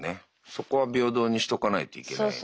そこは平等にしとかないといけないんだね。